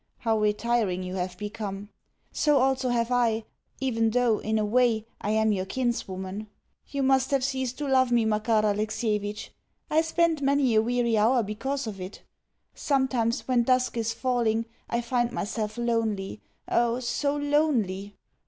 How retiring you have become! So also have I, even though, in a way, I am your kinswoman. You must have ceased to love me, Makar Alexievitch. I spend many a weary hour because of it. Sometimes, when dusk is falling, I find myself lonely oh, so lonely!